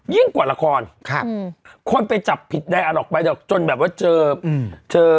ยิ่งกว่าละครครับคนไปจับผิดไดอาล็อกบายดอกจนแบบว่าเจอเจอ